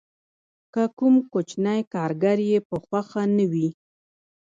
که کوم کوچنی کارګر یې په خوښه نه وي